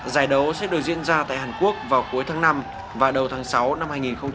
giải đấu sẽ đổi diễn ra tại hàn quốc vào cuối tháng năm và đầu tháng sáu năm hai nghìn một mươi bảy